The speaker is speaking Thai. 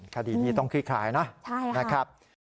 คดีนี้ต้องคลี่คลายนะนะครับ